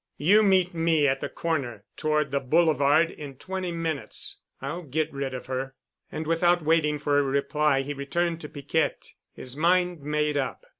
You meet me at the corner toward the Boulevard in twenty minutes. I'll get rid of her." And without waiting for a reply he returned to Piquette, his mind made up.